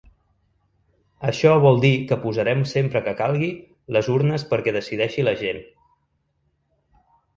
Això vol dir que posarem sempre que calgui les urnes perquè decideixi la gent.